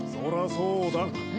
そうだね！